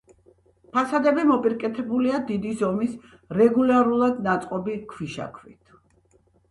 ფასადები მოპირკეთებულია დიდი ზომის რეგულარულად ნაწყობი ქვიშაქვით.